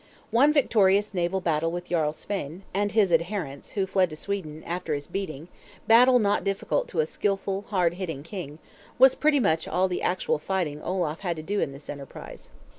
One victorious naval battle with Jarl Svein, Hakon's uncle, and his adherents, who fled to Sweden, after his beating, battle not difficult to a skilful, hard hitting king, was pretty much all the actual fighting Olaf had to do in this enterprise.